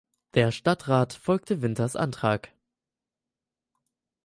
Der Stadtrat folgte Winters Antrag.